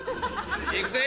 いくぜ！